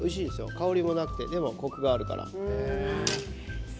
香りがなくてもでもコクがあるから。